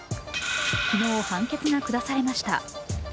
昨日、判決が下されました。